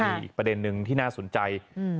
อีกประเด็นนึงที่น่าสนใจ